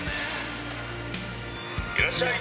「いらっしゃい！」